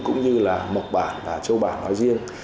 cũng như là mộc bản và châu bản nói riêng